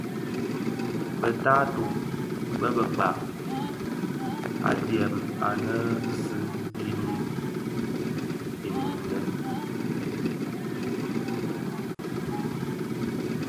Bë taato bis bekpag adyèm annë zi i niň niñdènga.